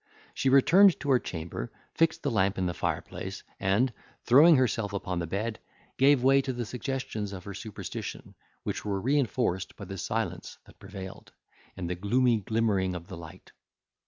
She returned to her chamber, fixed the lamp in the fireplace, and, throwing herself upon the bed, gave way to the suggestions of her superstition, which were reinforced by the silence that prevailed, and the gloomy glimmering of the light.